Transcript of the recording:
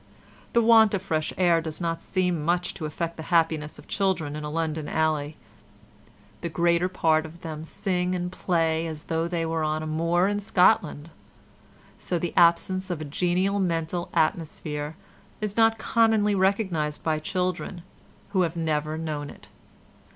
The want of fresh air does not seem much to affect the happiness of children in a London alley: the greater part of them sing and play as though they were on a moor in Scotland. So the absence of a genial mental atmosphere is not commonly recognised by children who have never known it.